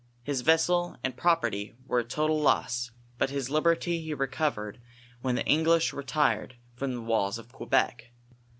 His vessel and property were a total loss, but his liberty he recovered when the Eng lish retired from the walls of Quebec.